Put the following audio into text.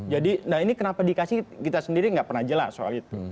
jadi nah ini kenapa dikasih kita sendiri tidak pernah jelas soal itu